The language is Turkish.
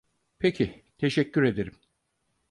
Peki, teşekkür ederim.